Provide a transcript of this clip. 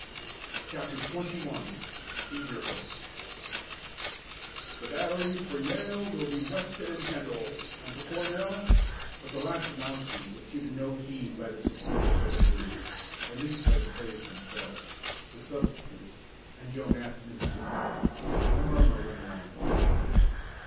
CHAPTER XXI EAGER HEARTS "The battery for Yale will be Weston and Kendall, and for Cornell " But the last announcement was given no heed by the supporters of the blue at least by the players themselves, the substitutes, and Joe Matson in particular. A murmur went around.